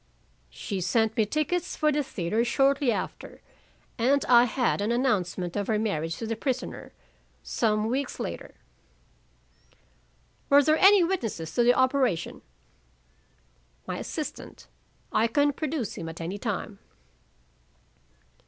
"She sent me tickets for the theater shortly after. And I had an announcement of her marriage to the prisoner, some weeks later." "Were there any witnesses to the operation?" "My assistant; I can produce him at any time."